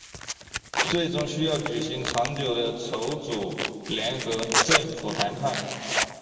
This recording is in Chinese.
最终需要举行长久的筹组联合政府谈判。